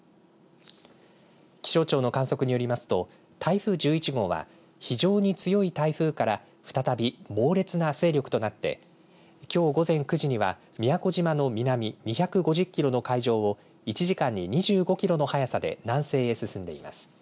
気象庁の観測によりますと台風１１号は非常に強い台風から再び、猛烈な勢力となってきょう午前９時には、宮古島の南２５０キロの海上を１時間に２５キロの速さで南西へ進んでいます。